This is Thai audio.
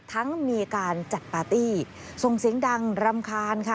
ทั้งมีการจัดปาร์ตี้ส่งเสียงดังรำคาญค่ะ